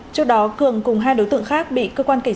trước đó cường cùng hai đối tượng khác bị cơ quan kỳ dịch